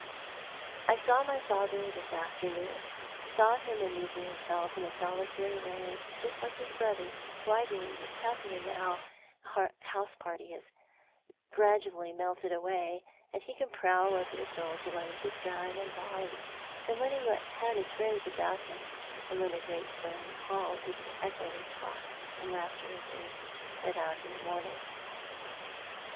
I saw my father this afternoon — saw him amnsing himself in his solitary way, just like his brother, who I believe is happier now the house party has gradually melted away, and he can prowl over the hills alone with his gun and dogs than he was when he had his friends about him, and when the great stone hall used to echo their talk and laughter as they set out in the morning.